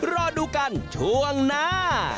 รอดูกันช่วงหน้า